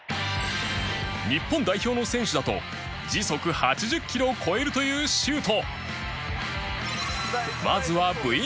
日本代表の選手だと時速８０キロを超えるというシュート